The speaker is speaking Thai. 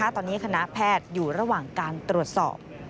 ตอนนี้คณะแพทย์อยู่ระหว่างการตรวจสอบ